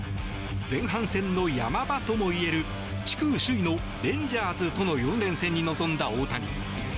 前半戦の山場ともいえる地区首位のレンジャーズとの４連戦に臨んだ大谷。